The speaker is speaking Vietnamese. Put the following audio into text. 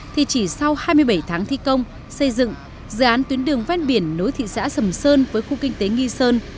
thì chỉ sau hai mươi bảy tháng thi công xây dựng dự án tuyến đường ven biển nối thị xã sầm sơn với khu kinh tế nghi sơn